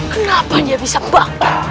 kenapa dia bisa bang